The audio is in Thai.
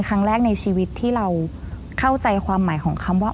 แค่แบบแรกเดียว